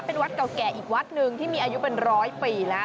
เป็นวัดเก่าแก่อีกวัดหนึ่งที่มีอายุเป็นร้อยปีแล้ว